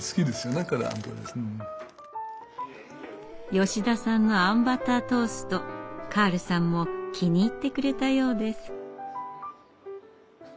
吉田さんのあんバタートーストカールさんも気に入ってくれたようです。